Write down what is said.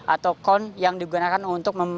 atau con yang digunakan untuk